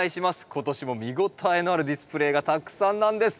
今年も見応えのあるディスプレーがたくさんなんです。